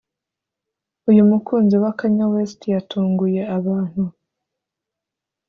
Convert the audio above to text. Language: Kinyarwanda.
uyu mukunzi wa Kanye West yatunguye abantu